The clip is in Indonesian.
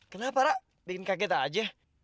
kenapa rak bikin kaget aja